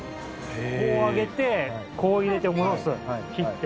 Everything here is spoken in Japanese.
こう上げてこう入れて戻す切って。